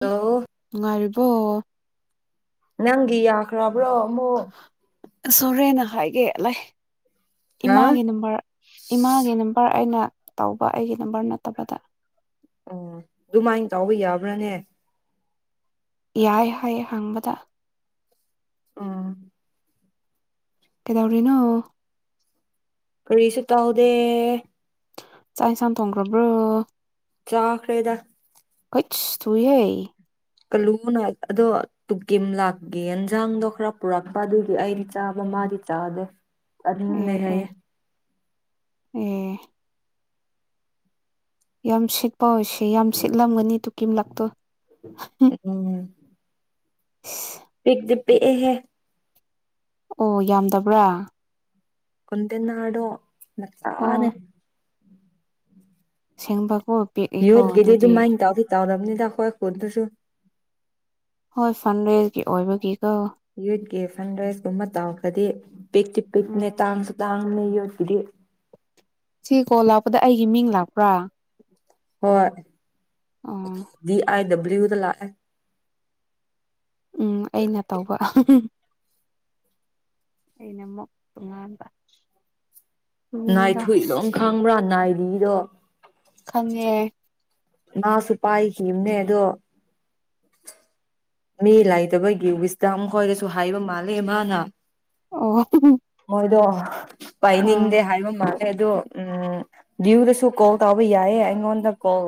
ꯂꯣ ꯅꯨꯡꯉꯔꯤꯕꯣ ꯅꯡꯒꯤ ꯌꯥꯈ꯭ꯔꯕ꯭ꯔꯣ ꯑꯃꯨꯛ ꯑꯅꯁꯣꯔꯦꯅ ꯍꯥꯏꯒꯦ ꯂꯩ ꯍꯥ ꯏꯃꯥꯒꯤ ꯅꯝꯕꯔ ꯏꯃꯥꯒꯤ ꯅꯝꯕꯔ ꯑꯩꯅ ꯇꯧꯕ ꯑꯩꯒꯤ ꯅꯝꯕꯔ ꯅꯠꯇꯕꯗ ꯑꯣ ꯑꯗꯨꯃꯥꯏꯅ ꯇꯥꯎꯕ ꯌꯥꯕ꯭ꯔꯥꯅꯦ ꯌꯥꯏ ꯍꯥꯏ ꯍꯡꯕꯗ ꯑꯥ ꯀꯦꯗꯧꯔꯤꯅꯣ ꯀꯥꯔꯤꯁ ꯇꯎꯗ ꯆꯥꯏ ꯁꯅ ꯊꯣꯡꯈ꯭ꯔꯕ꯭ꯔꯣ ꯆꯥꯈꯔꯩꯗ ꯀꯆ ꯇꯨꯍꯏ ꯀꯥꯂꯨꯅ ꯑꯗꯣ ꯇꯀꯤꯝ ꯂꯥꯛꯀꯦ ꯌꯦꯟꯖꯥꯡꯗꯣ ꯈꯔ ꯄꯨꯔꯛꯄ ꯑꯗꯨꯒꯤ ꯑꯩꯗꯤ ꯆꯥꯕꯃꯥꯗꯤ ꯆꯥꯗꯦ ꯑꯗꯏꯡ ꯑꯦ ꯂꯩ ꯑꯦ ꯍꯥꯏꯑꯌꯦ ꯑꯦ ꯌꯥꯝ ꯁꯤꯠꯄ ꯑꯣꯏꯁꯦ ꯌꯥꯝ ꯁꯤꯠꯂꯝꯒꯅꯤ ꯇꯨꯀꯤꯝꯂꯛꯇꯣ ꯑꯣꯝ [inaudible] ꯄꯤꯛꯗꯤ ꯄꯤꯛ ꯑꯦꯍꯦ! ꯑꯣ ꯌꯥꯝꯗꯕ꯭ꯔꯥ? ꯀꯣꯟꯇꯦꯅꯔꯗꯣ [unintelligible] ꯁꯦꯡꯕ ꯌꯣꯠꯀꯤꯗꯤ ꯑꯗꯨ ꯃꯥꯏ ꯇꯥꯎꯗꯤ ꯇꯥꯎꯗꯕꯅꯤ꯫ [unintelligible] ꯍꯣꯏ ꯐꯟꯔꯦꯖꯒꯤ ꯑꯣꯏꯕꯒꯤ ꯌꯨꯠꯀꯤ ꯐꯟꯔꯦꯁꯀꯨꯝꯕ ꯇꯧ [unintelligible] ꯄꯤꯛꯇꯤ - ꯄꯤꯛꯄꯅꯦ ꯎꯝ ꯇꯥꯡꯁꯨ - ꯇꯥꯡ [unintelligible] ꯁꯤ ꯀꯣꯜ ꯂꯥꯛꯄꯗ ꯑꯩꯒꯤ ꯃꯤꯡ ꯂꯥꯛꯄ꯭ꯔꯥ? ꯍꯣꯏ ꯑꯣ ꯗꯤ ꯑꯥꯏ ꯗꯕ ꯂꯤꯎ ꯗꯥ ꯂꯥꯛ ꯑꯦ ꯫ ꯎꯝ ꯑꯩꯅ ꯇꯧꯕ ꯫ ꯑꯩꯅ ꯑꯃꯛ ꯇꯨꯡꯉꯥꯟꯕ ꯉꯥꯏ ꯊꯨꯏ ꯂꯣꯡ [unintelligible] ꯅꯥꯏꯔꯤꯗꯣ ꯈꯪꯉꯦ꯫ ꯃꯥꯁꯨ ꯄꯥꯏꯈꯤꯕꯅꯦ ꯑꯗꯣ ꯃꯤ ꯂꯩꯥꯏꯇꯕꯒꯤ ꯋꯤꯁꯗꯝ ꯈꯣꯏꯗꯁꯨ ꯍꯥꯏꯕ ꯃꯥꯜꯂꯦ ꯃꯥꯅ꯫ ꯑꯣ ꯍꯨꯡ ꯍꯨꯡ ꯃꯣꯏꯗꯣ ꯄꯥꯏꯅꯤꯡꯗꯦ ꯍꯥꯏꯕ ꯃꯥꯜꯂꯦ ꯑꯗꯣ ꯎꯝ ꯗ꯭ꯌꯨꯗꯁꯨ ꯀꯣꯜ ꯇꯧꯕ ꯌꯥꯏꯌꯦ ꯑꯩꯉꯣꯟꯗ ꯀꯣꯜ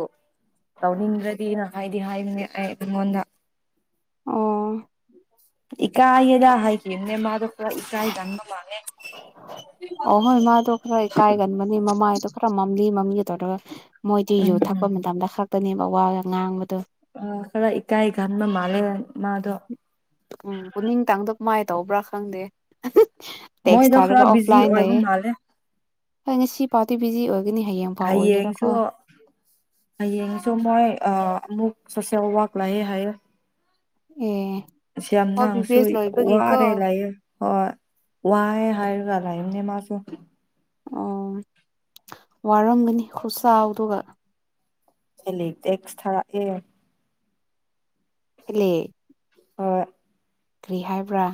ꯇꯧꯅꯤꯡꯗ꯭ꯔꯗꯤꯅ ꯍꯥꯏꯗꯤ ꯍꯥꯏꯕꯅꯦ ꯑꯩ ꯑꯩꯉꯣꯟꯗ ꯑꯣ ꯏꯀꯥꯏꯌꯦꯗ ꯍꯥꯏꯈꯤ ꯃꯅꯦ ꯃꯥ ꯑꯣ ꯍꯣꯏ ꯃꯥꯗꯣ ꯈꯔ ꯏꯀꯥꯏꯒꯟꯕꯅꯤ ꯃꯃꯥꯏꯗꯣ ꯈꯔ ꯃꯝꯂꯤ ꯃꯝꯂꯤꯒ ꯇꯧꯔꯒ ꯃꯣꯏꯗꯤ ꯌꯨ ꯎꯝ ꯊꯛꯄ ꯎꯝ ꯃꯇꯝꯗ ꯈꯛ ꯄꯅꯦꯕ ꯋꯥꯒ ꯉꯥꯡꯕꯗꯣ ꯑ ꯈꯔ ꯏꯀꯥꯏ ꯒꯟꯕ ꯃꯥꯜꯂꯦ ꯃꯥꯗꯣ ꯎꯝ ꯎꯅꯤꯡꯇꯥꯡꯗꯣ ꯃꯥꯏ ꯇꯧꯕ꯭ꯔꯥ ꯈꯪꯗꯦ ꯑ ꯍꯨꯡ ꯃꯣꯏꯗꯣ ꯈꯔ ꯕꯤꯖꯤ ꯑꯣꯏꯕ ꯃꯥꯜꯂꯦ ꯍꯣꯏ ꯉꯁꯤ ꯐꯥꯎꯗꯤ ꯕꯤꯖꯤ ꯑꯣꯏ ꯍꯌꯦꯡꯁꯨ ꯍꯌꯦꯡꯁꯨ ꯃꯣꯏ ꯑ ꯑꯃꯨꯛ ꯁꯣꯁꯦꯜ ꯋꯥꯛ ꯂꯩꯑꯦ ꯍꯥꯏꯌꯦ ꯑꯦ ꯑꯁ ꯍꯣꯏ ꯌꯥꯝꯅꯪꯁꯨ ꯕꯤꯕꯦꯁ ꯂꯣꯏꯕꯒꯤꯀꯣ ꯋꯥꯔꯦ ꯂꯥꯛꯑꯦ ꯍꯣꯏ ꯋꯥꯑꯦ ꯍꯥꯏꯔꯒ ꯂꯥꯛꯏꯕꯅꯦ ꯃꯥꯁꯨ [unintelligible] ꯑꯣ ꯋꯥꯔꯝꯒꯅꯤ ꯈꯨꯁꯥꯎꯗꯨꯒ ꯍꯦꯂꯤ ꯇꯦꯠꯁ ꯊꯥꯔꯛꯑꯦ ꯍꯦꯂꯤ ꯍꯣꯏ ꯀꯔꯤ ꯍꯥꯏꯕ꯭ꯔꯥ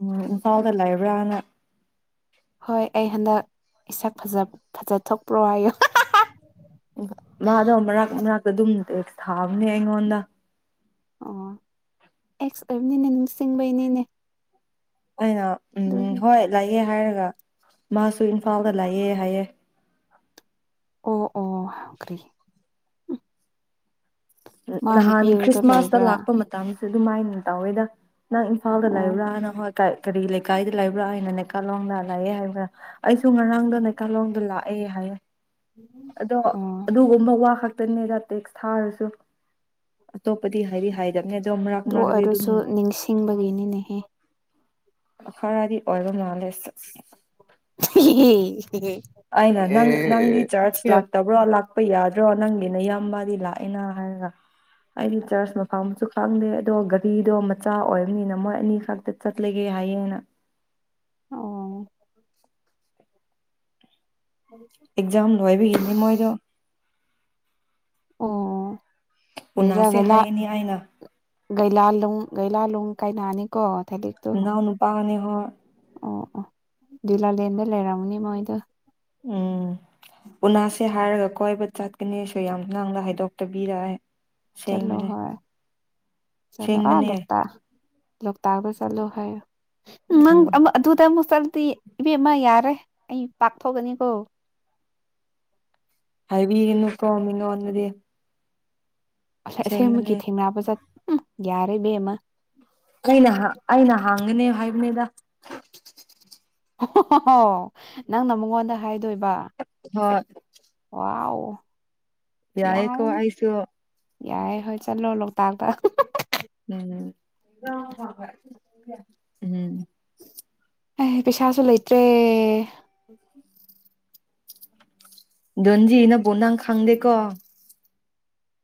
ꯎꯝ ꯏꯝꯐꯥꯜꯗ ꯂꯩꯕ꯭ꯔꯥꯅ ꯍꯣꯏ ꯑꯩ ꯍꯟꯗꯛ ꯏꯁꯛ ꯐꯖ ꯐꯖꯊꯣꯛꯄ꯭ꯔꯣ ꯍꯥꯏꯌꯨ ꯎ ꯃꯥꯗꯣ ꯃꯔꯛ ꯃꯔꯛꯇ ꯑꯗꯨꯝ :ꯇꯦꯠꯁ ꯊꯥꯕꯅꯤ ꯑꯩꯉꯣꯟꯗ ꯑꯣ ꯑꯦꯛꯁ ꯑꯣꯏꯕꯅꯤꯅ ꯅꯤꯡꯁꯤꯡꯕꯩꯅꯤꯅꯦ ꯑꯩꯅ ꯎꯝ ꯑꯗꯨꯒꯤ ꯍꯣꯏ ꯂꯩꯌꯦ ꯍꯥꯏꯔꯒ ꯃꯥꯁꯨ ꯏꯝꯐꯥꯜꯗ ꯂꯩꯌꯦ ꯍꯥꯏꯌꯦ ꯑꯣ ꯑꯣ ꯀꯔꯤ ꯃꯥ ꯅꯍꯥꯟ ꯅꯨꯄꯤꯗꯣ ꯈ꯭ꯔꯤꯁꯃꯥꯁꯇ ꯂꯩꯕ꯭ꯔꯥ ꯂꯥꯛꯄ ꯃꯇꯝ ꯑꯗꯨꯃꯥꯏꯅ ꯇꯧꯋꯦꯗ ꯅꯪ ꯏꯝꯐꯥꯜꯗ ꯑꯣ ꯂꯩꯕꯔꯥ ꯅꯪ ꯍꯣꯏ ꯀꯔꯤ ꯂꯩꯀꯥꯏꯗ ꯂꯩꯕ꯭ꯔꯥ ꯍꯥꯏꯅ ꯅꯦꯀꯥꯂꯣꯡꯗ ꯂꯩꯑꯦ ꯍꯥꯏꯕ꯭ꯔꯥ ꯑꯩꯁꯨ ꯉꯔꯥꯡꯗ ꯅꯦꯀꯥꯂꯣꯡꯗ ꯂꯥꯛꯑꯦ ꯍꯥꯏꯌꯦ ꯑꯗꯣ ꯑꯣ ꯑꯗꯨꯒꯨꯝꯕ ꯋꯥ ꯈꯛꯇꯅꯤꯗ ꯇꯦꯛꯁ ꯊꯥꯔꯁꯨ ꯑꯇꯣꯞꯄꯗꯤ ꯍꯥꯏꯗꯤ ꯍꯥꯏꯗꯕꯅꯦ ꯑꯗꯣ ꯃꯔꯛ ꯑꯗꯨ ꯃꯔꯛꯇꯗꯤ ꯑꯗꯨꯝ ꯑꯣꯏꯔꯁꯨ ꯅꯤꯡꯁꯤꯡꯕꯒꯤꯅꯤꯅꯦꯍꯦ ꯈꯔꯗꯤ ꯑꯣꯏꯕ ꯃꯥꯜꯂꯦ [unintelligible] ꯑꯩꯅ ꯅꯪ ꯅꯪꯗꯤ ꯆꯔꯆ ꯂꯥꯛꯇꯕ꯭ꯔꯣ ꯆꯠꯄ ꯌꯥꯗ꯭ꯔꯣ ꯅꯪꯒꯤꯅ ꯏꯌꯥꯝꯕꯗꯤ ꯂꯥꯛꯑꯦꯅ ꯍꯥꯏꯔꯒ ꯑꯩꯗꯤ ꯆꯔꯆ ꯃꯐꯝꯁꯨ ꯈꯪꯗꯦ ꯑꯗꯣ ꯒꯥꯔꯤꯗꯣ ꯃꯆꯥ ꯑꯣꯏꯕꯅꯤꯅ ꯃꯣꯏ ꯑꯅꯤ ꯈꯛꯇ ꯆꯠꯂꯒꯦ ꯍꯥꯏꯌꯦꯅ ꯑꯣ ꯑꯦꯛꯖꯝ ꯂꯣꯏꯕꯤꯒꯤꯅꯤ ꯃꯣꯏꯗꯣ ꯑꯣ ꯔꯤꯔꯥ ꯎꯅꯥꯁꯦ ꯒꯩꯂꯥ ꯍꯥꯏꯒꯅꯤ ꯑꯩꯅ [unintelligible] ꯃꯅꯥꯎ ꯅꯨꯄꯥꯅꯤ ꯑ ꯑꯣ ꯑꯣ ꯗꯨꯏꯂꯥꯂꯦꯟꯗ ꯂꯩꯔꯝꯃꯅꯤ ꯃꯣꯏꯗꯣ ꯎꯝ ꯎꯅꯁꯦ ꯍꯥꯏꯔꯒ ꯀꯣꯏꯕ ꯆꯠꯀꯅꯤꯁꯨ ꯌꯥꯝ ꯉꯥꯡꯅꯍꯥꯏꯗꯣꯛꯇꯕꯤꯔꯛꯑꯦ ꯆꯠꯂꯣ ꯍꯣꯏ ꯆꯠꯂꯣ ꯑ ꯁꯦꯡꯕꯅꯦ ꯂꯣꯛꯇꯥꯛ ꯂꯣꯛ ꯇꯥꯛꯗ ꯆꯂꯨ ꯍꯥꯏ ꯎ ꯅꯪ ꯎꯝ ꯑ ꯑꯗꯨ ꯇ ꯃꯁ ꯑꯤ ꯏꯕꯦꯝꯃ ꯌꯥꯔꯦ ꯑꯩ ꯄꯥꯛꯊꯣꯛꯒꯅꯤꯀꯣ ꯑꯕꯤ ꯏꯅꯤ ꯏ ꯀꯣ ꯃꯤꯅꯣ ꯋꯥꯗꯤꯦ ꯑꯁꯥꯏ ꯑꯁꯦꯡꯕꯀꯤ ꯊꯦꯡꯅꯕ ꯆꯠ ꯎ ꯌꯥꯔꯦ ꯃ ꯀꯩꯅ ꯑꯩꯅ ꯍꯥꯡꯒꯅꯦ ꯍꯥꯏ ꯃꯃꯦꯗ ꯍꯣ ꯅꯪꯅ ꯃꯉꯣꯟꯗ ꯍꯥꯏ ꯣꯏꯕ ꯋꯥ ꯑꯣ ꯌꯥꯏꯀꯣ ꯋꯥꯏꯁ ꯌꯥꯏꯦ ꯍꯣꯏ ꯆꯠꯂꯣ ꯂꯣꯛꯇꯥꯛꯇ ꯎꯝ ꯎꯝ ꯑꯩ ꯄꯩꯁꯥꯁꯨ ꯂꯩꯇ꯭ꯔꯦ ꯟꯖꯤꯅ ꯣꯅꯥꯅ ꯈꯥꯡꯪꯗꯦꯀꯣ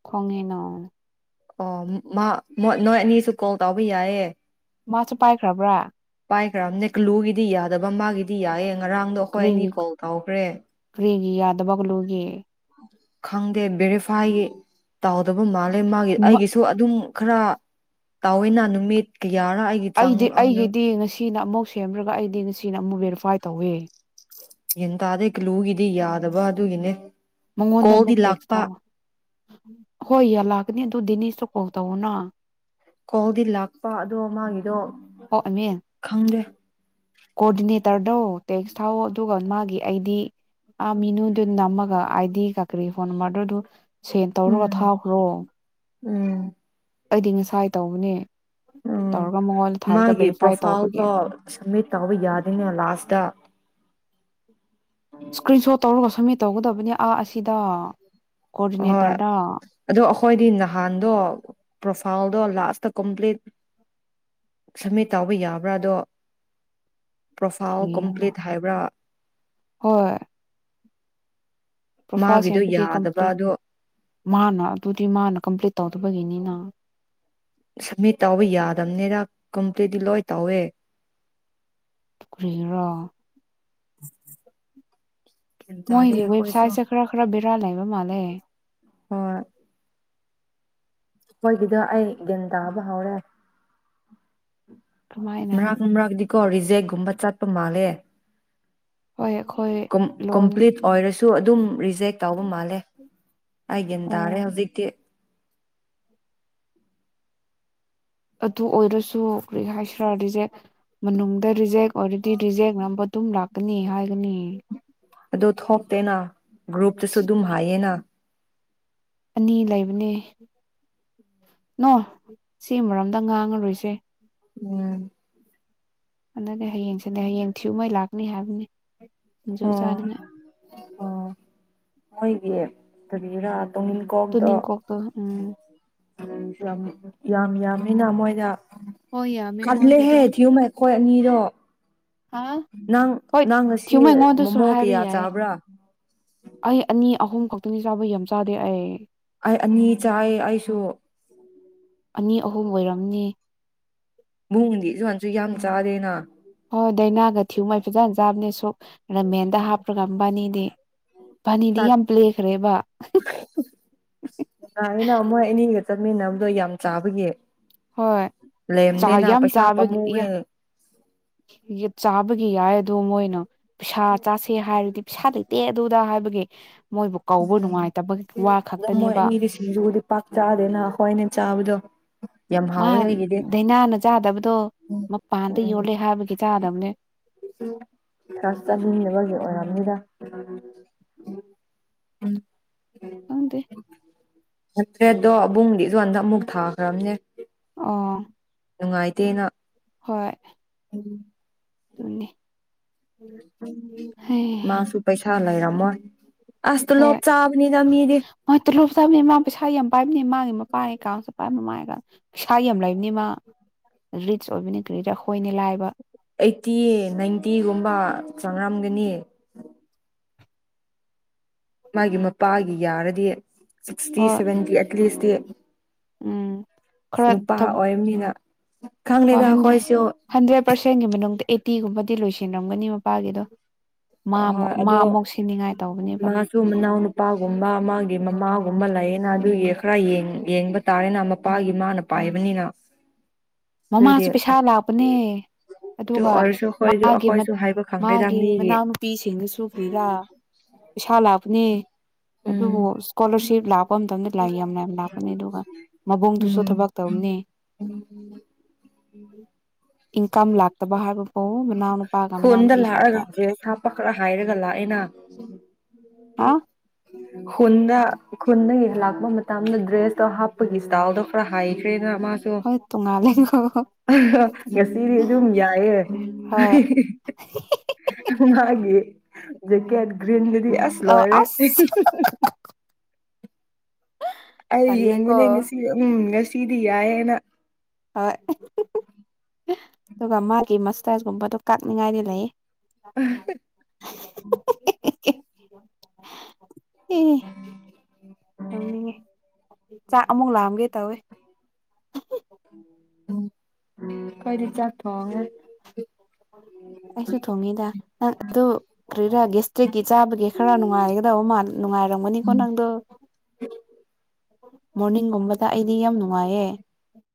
ꯈꯣꯡꯉꯅ ꯑꯣ ꯃꯥ ꯅꯣꯏ ꯑꯅꯤꯁꯨ ꯀꯣꯜ ꯇꯧꯕ ꯌꯥꯏꯌꯦꯦ ꯃꯥꯁꯨ ꯄꯥꯏꯈ꯭ꯔꯕ꯭ꯔꯥ ꯄꯥꯏꯈ꯭ꯔꯕ ꯅ ꯀ꯭ꯂ꯭ꯂꯨꯒꯤꯗꯤ ꯌꯥꯗꯕ ꯃꯥꯒꯤꯗꯤ ꯌꯥꯏ ꯉꯔꯥꯡꯗꯣ ꯑꯩꯈꯣꯏ ꯑꯅꯤ ꯀꯣꯜ ꯇꯧꯈ꯭ꯔꯦ ꯌꯥꯗꯕꯒꯂꯣꯦ ꯈꯪꯗꯦ ꯕꯦꯔꯤꯐꯥꯏ ꯇꯧꯗꯕ ꯃꯥꯜꯂꯦ ꯑꯗꯩ ꯃꯥꯒꯤ ꯑꯩꯒꯤꯁꯨ ꯑꯗꯨꯝ ꯈꯔ ꯇꯑꯣꯏꯅꯅ ꯅꯨꯃꯤꯠ ꯀ ꯌꯥꯔꯥ ꯑꯩꯒꯤ ꯆꯥꯡ ꯁꯤꯅ ꯑꯃꯨꯛ ꯁꯦꯝꯔꯒ ꯑꯩꯗꯤ ꯉꯁꯤꯅ ꯑꯃꯨꯛ ꯕꯦꯔꯤꯐꯥꯏ ꯇꯧꯋꯦ ꯌꯦꯟꯇꯥꯥꯗꯦ ꯀꯂꯨꯒꯤꯗꯤ ꯌꯥꯗꯕ ꯑꯗꯨꯒꯤꯅꯦ ꯃꯉꯣꯟꯗ ꯀꯣꯜꯗꯤ ꯑꯃꯨꯛ ꯇꯦꯛꯁ ꯂꯥꯛꯄ ꯊꯥ ꯍꯣꯏ ꯌꯥ ꯂꯥꯛꯀꯅꯤ ꯅꯤꯁꯨꯇꯥꯕꯅ ꯀꯧꯗꯤꯜ ꯂꯥꯛꯄ ꯑꯗꯨꯗꯣ ꯃꯥꯒꯤꯗꯣ ꯀꯃꯦ ꯈꯪꯗꯦ ꯀꯣꯑꯣꯔꯗꯤꯅꯦꯇꯔ ꯣ ꯇꯦꯛꯁ ꯊꯥꯎ ꯑꯗꯨꯒ ꯃꯥ ꯑꯩꯗꯤ ꯑ ꯃꯤꯅꯨꯗꯨ ꯅꯝꯃꯒ ꯑꯩꯗꯤ ꯀꯥꯀꯔꯤ ꯐꯣꯟ꯭ꯔꯣꯗꯨ ꯁꯦꯟ ꯇꯧꯔꯒ ꯎꯝ ꯊꯥꯈ꯭ꯔꯣ ꯎꯝ ꯑꯩꯗꯤ ꯉꯁꯥꯏ ꯇꯧꯕꯅꯦ ꯎꯝ ꯇꯧꯔꯒ ꯃꯉꯣꯟꯗ ꯊꯥꯔꯒ ꯃꯥꯒꯤ ꯚꯦꯔꯤꯐꯥꯏ ꯇꯧꯕꯒꯤ ꯄ꯭ꯔꯣꯐꯥꯏꯜꯗꯣ ꯁꯕꯃꯤꯠ ꯇꯧꯕ ꯌꯥꯗꯣꯏꯅꯦ ꯂꯥꯁꯇ ꯏꯁꯀ꯭ꯔꯤꯟ ꯁꯣꯠ ꯇꯧꯔꯒ ꯁꯨꯝꯃꯤ ꯇꯧꯒꯗꯕ ꯍꯥꯏꯕꯅꯤ ꯑꯥ ꯑꯁꯤꯗ ꯀꯑꯣꯔꯗꯤꯅꯦꯇꯔ ꯗ ꯍꯣꯏꯗꯤ ꯅꯍꯥꯟꯗꯣ ꯄ꯭ꯔꯣꯐꯥꯏꯜꯗꯣ ꯂꯥꯁꯇ ꯀꯝꯄ꯭ꯂꯤꯠ ꯁꯝꯃꯤꯠ ꯇꯕ ꯌꯥꯕ꯭ꯔꯥꯗꯣ ꯄ꯭ꯔꯣꯐꯥꯏꯜ ꯀꯔꯤꯔ ꯀꯝꯄ꯭ꯂꯤꯠ ꯍꯥꯏꯕ꯭ꯔꯥ ꯍꯣꯏ ꯄ꯭ꯔꯣꯐꯥꯏꯜ ꯃꯥꯒꯤꯗꯣ ꯁꯦꯝꯕꯒꯤ ꯌꯥꯗꯕ ꯀꯝꯄ꯭ꯂꯤꯠ ꯑꯗꯣ ꯃꯥꯅ ꯑꯗꯨꯗꯤ ꯃꯥꯅ ꯀꯝꯄ꯭ꯂꯤꯠ ꯇꯧꯗꯕꯒꯤꯅꯤꯅ ꯁꯃꯤꯠ ꯇꯥꯎꯕ ꯌꯥꯗꯕꯅꯦꯗ ꯗꯤ ꯂꯣꯏ ꯇꯧꯋꯦ ꯇꯨꯈ꯭ꯔꯔꯣ ꯎꯝ ꯃꯣꯏꯒꯤ ꯋꯦꯕꯁꯥꯏꯠꯁꯦ ꯈꯔ ꯈꯔ ꯕꯦꯔꯥꯜ ꯂꯩꯕ ꯃꯥꯜꯂꯦ ꯍꯣꯏ ꯈꯣꯏꯒꯤꯗꯣ ꯑꯩ ꯒ꯭ꯌꯥꯟ ꯇꯥꯕ ꯍꯧꯔꯦ ꯀꯃꯥꯏꯅ ꯃꯔꯥꯒꯅ ꯃꯔꯥꯥꯛꯗꯤ ꯀꯣ ꯔꯤꯖꯦꯛꯒꯨꯝꯕ ꯆꯠꯄ ꯃꯥꯜꯂꯦ ꯍꯣꯏ ꯑꯩꯈꯣꯏ ꯀ ꯂꯣꯟ ꯀꯝꯄꯂꯤꯠ ꯑꯣꯔꯁ ꯑꯗꯨꯝ ꯖꯦ ꯇꯥꯎꯕ ꯃꯥꯜꯂꯦ ꯑꯩꯦꯟ ꯑꯣ ꯇꯥꯔꯦ ꯍꯧꯖꯤꯛ ꯑꯗꯨ ꯑꯣꯏꯔꯁꯨ ꯀꯔꯤ ꯍꯥꯏꯁꯤ꯭ꯔꯥ ꯔꯤꯖꯦꯛ ꯃꯅꯨꯡꯗ ꯔꯤꯖꯦꯛ ꯑꯣꯏꯔꯗꯤ ꯔꯤꯖꯦꯛ ꯉꯝꯕ ꯑꯗꯨꯝ ꯂꯥꯛꯄ ꯅꯤ ꯍꯥꯏꯒꯅꯤ ꯑꯣ ꯊꯣꯛꯇꯦꯅ ꯒ꯭ꯔꯨꯞꯇꯁꯨ ꯑꯗꯨꯝ ꯍꯥꯏꯌꯦꯅ ꯑꯅꯤ ꯂꯩꯕꯅꯦ ꯅꯣ ꯁꯤ ꯃꯔꯝꯗ ꯉꯥꯡꯉꯔꯣꯏꯁꯦ ꯎꯝ ꯍꯅꯗꯤ ꯍꯌꯦꯡꯁꯤꯗꯤꯩ ꯍꯌꯦꯡ ꯊꯤꯌꯨꯉꯩ ꯂꯥꯛꯀꯅꯤ ꯍꯥꯏꯕꯅꯤ ꯑꯣ ꯖꯣꯁꯥꯗꯅꯦ ꯐꯔꯤꯔꯥ ꯇ ꯅꯤꯡꯟ ꯀꯣꯇ ꯎꯝ ꯌꯥꯝ ꯌꯥꯝ ꯌꯥꯝꯃꯤꯅ ꯃꯣꯏꯗ ꯍꯣꯏ ꯌꯥꯝꯃꯦ ꯀꯜꯂꯦꯍꯦ ꯃꯣꯏꯒꯤꯗꯣ ꯊꯤꯌꯨ ꯑꯩꯈꯣꯏ ꯑꯅꯤꯔꯣ ꯑ ꯍꯣꯏ ꯊꯤꯌꯨꯃꯩꯉꯣꯗꯁꯨ ꯃꯣꯃꯣ ꯍꯥꯏꯕ ꯀꯌꯥ ꯌꯥꯏ ꯆꯥꯕ꯭ꯔꯥ ꯑꯩ ꯑꯅꯤ ꯑꯍꯨꯝ ꯈꯛꯇꯅꯤ ꯆꯥꯕꯩ ꯌꯥꯝ ꯆꯥꯗꯦ ꯑꯩ ꯑꯩ ꯑꯅꯤ ꯆꯥꯏ ꯑꯩꯁꯨ ꯑꯅꯤ ꯑꯍꯨꯝ ꯑꯣꯏꯔꯝꯅꯤ ꯕꯨꯡꯗꯤ [unintelligible] ꯌꯥꯝ ꯆꯥꯗꯦꯅ ꯍꯣꯏ ꯗꯥꯏꯅꯥꯒ ꯊꯤꯌꯨꯉꯩ ꯐꯖꯅ ꯆꯥꯕꯅꯦ ꯁꯛ ꯔꯃꯦꯟꯗ ꯍꯥꯞꯄ꯭ꯔꯒ ꯃꯕꯥꯅꯤꯗꯤ ꯃꯕꯥꯅꯤꯗꯤ ꯌꯥꯝ ꯄ꯭ꯂꯦꯈ꯭ꯔꯦꯕ ꯇ ꯌꯥꯅ ꯃꯣꯏ ꯑꯅꯤ ꯆꯠꯃꯤꯟꯅꯕꯗꯣ ꯌꯥꯝ ꯆꯥꯕꯒꯤ ꯍꯣꯏ ꯆꯥꯏ ꯂꯦꯝꯗꯦꯅ ꯌꯥꯝ ꯄꯩꯁꯥ ꯆꯥꯕ ꯄꯥꯝꯃꯨꯋꯦ ꯆꯥꯕ ꯌꯥꯏ ꯑꯗꯨ ꯃꯣꯏꯅ ꯄꯩꯁꯥ ꯆꯥꯁꯦ ꯍꯥꯏꯔꯗꯤ ꯄꯩꯁꯥꯗꯩ ꯇꯦ ꯑꯗꯨꯗ ꯍꯥꯏꯕꯒꯤ ꯃꯣꯏꯕꯨ ꯀꯧꯕ ꯅꯨꯡꯉꯥꯏꯇꯕꯒꯤ ꯋꯥ ꯎꯝ ꯃꯣꯏ ꯈꯛꯇꯅꯦꯕ ꯑꯅꯤꯗꯤ ꯁꯤꯡꯖꯨꯕꯨꯗꯤ ꯄꯥꯛ ꯆꯥꯗꯦꯅ ꯈꯣꯏꯅꯦ ꯆꯥꯕꯗꯣ ꯌꯥꯝ ꯃꯥ ꯍꯥꯎꯋꯦ ꯑꯩꯒꯤꯗꯤ ꯗꯥꯏꯅꯥꯅ ꯆꯥꯗꯕꯗꯣ ꯃꯄꯥꯟꯗ ꯎꯝ ꯌꯣꯜꯂꯦ ꯍꯥꯏꯕꯒꯤ ꯆꯥꯗꯕꯅꯦ [unintelligible] ꯑꯣꯏꯔꯝꯅꯤꯗ ꯎꯝ ꯈꯪꯗꯦ ꯅꯠꯇ꯭ꯔꯦꯗꯣ ꯑꯕꯨꯡꯒꯤꯁꯨ ꯍꯟꯗꯛ ꯑꯃꯨꯛ ꯊꯥꯈ꯭ꯔꯕꯅꯦ ꯑꯣ ꯅꯨꯡꯉꯥꯏꯇꯦꯅ ꯍꯣꯏ ꯎꯝ ꯑꯗꯨꯅꯤ ꯍꯩ ꯃꯥꯁꯨ ꯄꯩꯁꯥ ꯂꯩꯔꯝ ꯃꯣꯏ ꯍꯣꯏ ꯍꯣꯏ ꯇꯣꯂꯣꯞ ꯆꯥꯕꯩ ꯃꯥ ꯄꯩꯁꯥ ꯌꯥꯝ ꯄꯥꯏꯕꯅꯤ ꯃꯥꯒꯤ ꯃꯄꯥꯏ ꯑꯦꯀꯥꯎꯟꯁꯨ ꯄꯥꯏꯕꯅꯤ ꯃꯥꯏꯒ ꯄꯩꯁꯥ ꯌꯥꯝ ꯂꯩꯕꯅꯤ ꯃꯥ ꯔꯤꯆ ꯑꯣꯏꯕꯅꯤ ꯀ꯭ꯔꯤꯗ ꯑꯩꯈꯣꯏꯅꯤ ꯂꯥꯏꯕ ꯑꯩꯠꯇꯤ ꯅꯥꯏꯟꯇꯤꯒꯨꯝꯕ ꯆꯔꯝꯒꯅꯤ ꯃꯥꯒꯤ ꯃꯄꯥꯒꯤ ꯌꯥꯔꯗꯤ ꯁꯤꯛꯁꯇꯤ ꯍꯣꯏ ꯁꯚꯦꯟꯇꯤ ꯑꯦꯠ ꯂꯤꯁꯇꯤ ꯎꯝ [unintelligible] [inaudible] ꯈꯔ ꯅꯨꯄꯥ ꯊꯕ ꯑꯣꯏꯔꯝꯅꯤꯅ ꯍꯣꯏ ꯍꯟꯗ꯭ꯔꯦ ꯍꯟꯗ꯭ꯔꯦꯠ ꯄꯔꯁꯦꯟꯒꯤ ꯃꯅꯨꯡꯗ ꯑꯩ ꯇꯤꯒꯨꯝꯕꯗꯤ ꯂꯣꯏꯁꯤꯟꯔꯝꯒꯅꯤ ꯃꯄꯥꯒꯤꯗꯣ ꯃꯥ ꯑ ꯑꯃꯨꯛ ꯍꯣꯏ ꯃꯥ ꯑꯗꯣ ꯑꯃꯨꯛ ꯁꯤꯅꯤꯡꯉꯥꯏ ꯇꯧꯕꯅꯦꯕ ꯃꯥꯁꯨ ꯃꯅꯥꯎ ꯅꯨꯄꯥꯒꯨꯝꯕ ꯃꯥꯒꯤ ꯃꯃꯥꯒꯨꯝꯕ ꯂꯩꯌꯦ ꯅꯥꯒꯤ ꯈꯔ ꯌꯦꯡ ꯌꯦꯡꯕ ꯇꯥꯔꯦꯅ ꯃꯄꯥꯒꯤ ꯃꯥꯅ ꯄꯥꯏꯕꯅꯤꯅ ꯑꯗꯨꯗꯤ ꯃꯃꯥꯁꯨ ꯄꯩꯁꯥ ꯂꯥꯛꯄꯅꯦ ꯑꯗꯨ ꯑꯗꯨꯒ ꯑꯣꯏꯔꯁꯨ ꯑꯩꯈꯣꯏꯁꯨ ꯃꯥꯒꯤ ꯑꯩꯈꯣꯏꯁꯨ ꯍꯥꯏꯕ ꯈꯪꯗꯦꯗ ꯃꯥꯒꯤ ꯃꯤꯒꯤ ꯃꯅꯥꯎꯅ ꯅꯨꯄꯤꯁꯤꯡꯒꯁꯨ ꯐ꯭ꯔꯤꯔꯥ ꯄꯩꯁꯥ ꯂꯥꯛꯄꯅꯦ ꯑꯗꯨꯕꯨ ꯎꯝ ꯏꯁꯀꯣꯂꯔꯁꯤꯞ ꯂꯥꯛꯄ ꯂꯥꯏ ꯌꯥꯝꯅ ꯌꯥꯝ ꯂꯥꯛꯄꯅꯤ ꯑꯗꯨꯒ ꯃꯕꯣꯡꯗꯨꯁꯨ ꯎꯝ ꯊꯕꯛ ꯇꯧꯔꯅꯤ ꯏꯟꯀꯝ ꯂꯥꯛꯇꯕ ꯍꯥꯏꯕ ꯍꯣꯟꯗ ꯂꯥꯛꯑꯒꯗꯤꯁ ꯄ ꯈꯔ ꯍꯥꯏꯔꯒ ꯂꯥꯛꯑꯦꯅ ꯍꯥ ꯍꯣꯅ ꯈꯨꯟꯗꯒꯤꯂꯥꯛꯄ ꯃꯇꯝꯗ ꯗ꯭ꯔꯦꯁꯇꯣ ꯍꯥꯞꯄꯒꯤ ꯏꯁꯇꯜꯗꯣ ꯈꯔ ꯍꯥꯏꯈ꯭ꯔꯦꯅ ꯃꯥꯁꯨ ꯍꯣꯏ ꯇꯣꯡꯉꯥꯜꯂꯦꯀꯣ ꯉꯁꯤꯗꯤ ꯑꯗꯨꯝ ꯌꯥꯏꯑꯦ ꯍꯣꯏ [unintelligible] ꯦꯀꯦ ꯟꯗꯨꯗꯤ ꯑꯁ ꯑꯣ ꯂꯣꯏꯅꯦꯦ ꯑꯁ ꯑꯩ ꯇꯜꯂꯦꯀꯣ ꯌꯦꯡꯕꯅꯦ ꯌꯦꯡꯉꯁꯤ ꯎꯝꯁꯤ ꯁꯤꯗꯤ ꯌꯥꯑꯦꯅ ꯍ ꯑꯗꯨꯒ ꯃꯥꯒꯤ ꯃꯁꯇꯥꯏꯁꯒꯨꯝꯕꯗꯣ ꯀꯥꯛꯅꯤꯡꯉꯥꯏꯗꯤ ꯂꯩ [unintelligible] [unintelligible] ꯑꯦꯅꯤꯒ ꯆꯥꯛ ꯑꯃꯨꯛ ꯂꯥꯛꯑꯝꯒꯦ ꯇꯧꯋꯦ ꯎꯝ ꯈꯔꯤ ꯆ ꯑꯩꯁꯨ ꯊꯣꯡꯉꯤꯗ ꯅꯪ ꯑꯗꯨ ꯀꯔꯤꯔꯥ ꯒꯦꯁꯇ꯭ꯔꯤꯛꯀꯤ ꯆꯥꯕꯒꯤ ꯈꯔ ꯅꯨꯡꯉꯥꯏꯒꯗꯕ ꯃꯥ ꯅꯨꯡꯉꯥꯏꯔꯝꯒꯅꯤꯀꯣ ꯅꯪꯗꯣ ꯃꯅꯤ ꯒꯨꯝꯕꯗ ꯑꯩꯗꯤ ꯌꯥꯝ ꯅꯨꯡꯉꯥꯏꯌꯦ